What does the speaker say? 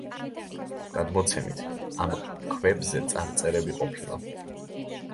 გადმოცემით, ამ ქვებზე წარწერები ყოფილა.